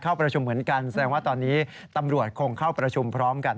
เข้าประชุมเหมือนกันแสดงว่าตอนนี้ตำรวจคงเข้าประชุมพร้อมกัน